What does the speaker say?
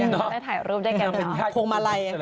ได้ถ่ายรูปได้กัน